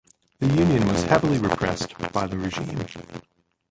The union was heavily repressed by the regime.